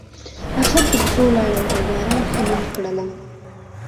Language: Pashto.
اخر په پښو لاړم او باران ښه لوند کړلم.